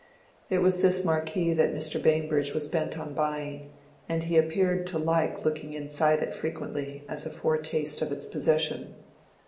It was this marquee that Mr. Bambridge was bent on buying, and he appeared to like looking inside it frequently, as a foretaste of its possession.